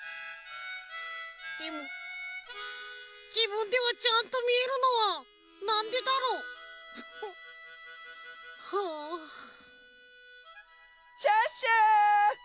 でもじぶんではちゃんとみえるのはなんでだろう？はあ。シュッシュ！